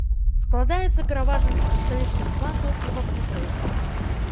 Складаецца пераважна з крышталічных сланцаў і вапнякоў.